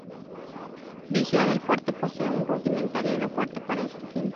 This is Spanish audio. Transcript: Vigía del Fuerte posee un rudimentario aeropuerto para este fin.